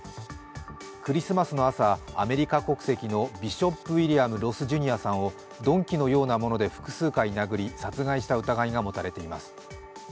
クリスマスの朝、アメリカ国籍のビショップ・ウィリアム・ロス・ジュニアさんを鈍器のようなもので複数回殴り殺害した疑いが持たれています。